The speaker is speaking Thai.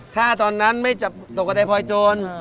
ถ้าตอนนั้นไม่จับตกกระดายพลอยโจร